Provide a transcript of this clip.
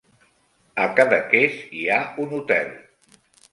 A Cadaqués hi ha un hotel.